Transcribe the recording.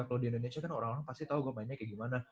kalo di indonesia kan orang orang pasti tau gua mainnya kayak gimana